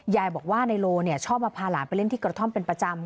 ยายบอกว่านายโลชอบมาพาหลานไปเล่นที่กระท่อมเป็นประจำ